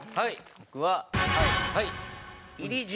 僕は。